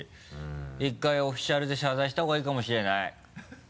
１回オフィシャルで謝罪した方がいいかもしれない。